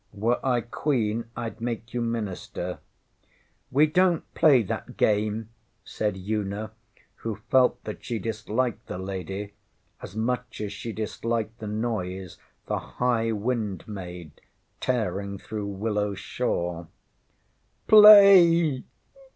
Were I Queen, IŌĆÖd make you Minister.ŌĆÖ ŌĆśWe donŌĆÖt play that game, ŌĆÖ said Una, who felt that she disliked the lady as much as she disliked the noise the high wind made tearing through Willow Shaw. ŌĆśPlay!